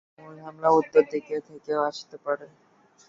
মূল হামলা উত্তর দিক থেকেও আসতে পারে।